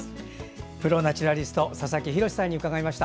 プロ・ナチュラリスト佐々木洋さんに伺いました。